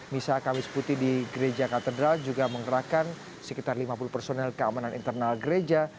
misa kamis putih di gereja katedral juga menggerakkan sekitar lima puluh personel keamanan internal gereja